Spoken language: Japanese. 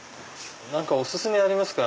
何かお薦めありますか？